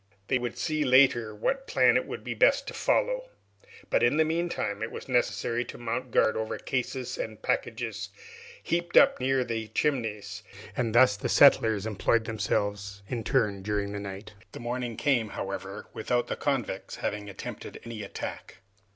They would see later what plan it would be best to follow; but in the meantime it was necessary to mount guard over cases and packages heaped up near the Chimneys, and thus the settlers employed themselves in turn during the night. The morning came, however, without the convicts having attempted any attack.